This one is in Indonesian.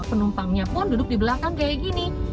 penumpangnya pun duduk di belakang kayak gini